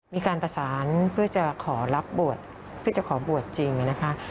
มีการประสานเพื่อจะขอรับบวชเพื่อจะขอบวชจริงนะคะ